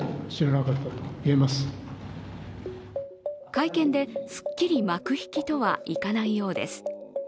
会見で、すっきり幕引きとはいかないようです。